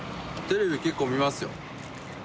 テレビ結構見ます。